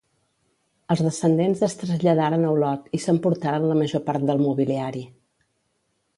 Els descendents es traslladaren a Olot i s'emportaren la major part del mobiliari.